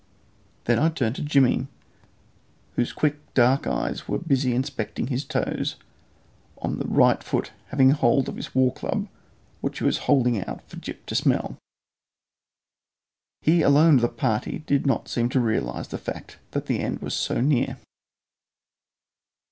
Then I turned to Jimmy, whose quick dark eyes were busy inspecting his toes, those on the right foot having hold of his war club, which he was holding out for Gyp to smell. He alone of the party did not seem to realise the fact that the end was so near.